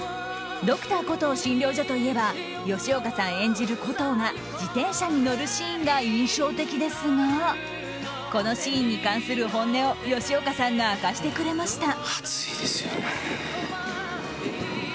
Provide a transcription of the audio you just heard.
「Ｄｒ．コトー診療所」といえば吉岡さん演じるコトーが自転車に乗るシーンが印象的ですがこのシーンに関する本音を吉岡さんが明かしてくれました。